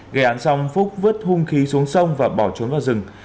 gây án xong phúc vứt hung khí xuống sông và bỏ trốn vào rừng